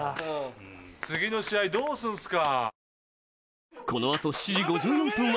次の試合どうすんすか？